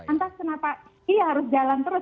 entah kenapa iya harus jalan terus